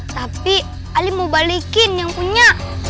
tapi ali mau balikin yang punya